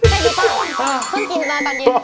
ไม่รู้ป่ะเพิ่งกินมาตอนเย็นตอนเที่ยง